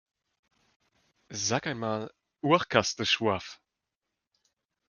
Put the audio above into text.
Sag ein mal "Oachkatzlschwoaf"!